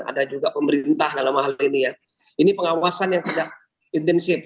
ada juga pemerintah dalam hal ini ya ini pengawasan yang tidak intensif